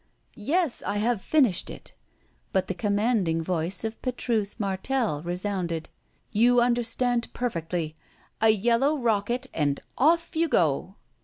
"Yes, I have finished it." But the commanding voice of Petrus Martel resounded: "You understand perfectly! A yellow rocket, and off you go!"